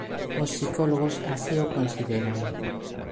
Os psicólogos así o consideran.